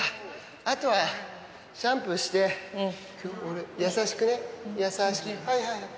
あとはシャンプーして、優しくね、優しく。